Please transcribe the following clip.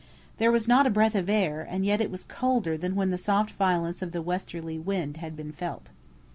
There was not a breath of air, and yet it was colder than when the soft violence of the westerly wind had been felt.